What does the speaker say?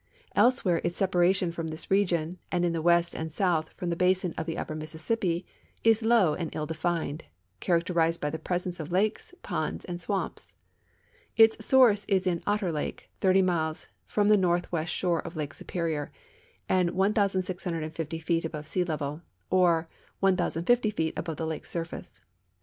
Elsewhere its sei)aration from this region, and in the west and south from the basin of the upper Mississippi, is low and ill defined, character ized by the presence of lakes, ponds, and swamps. Its source is in Otter lake, 30 miles from the northwest shore of Lake Supe rior and 1,650 feet above sea level, or 1,050 feet above tlie lake surface.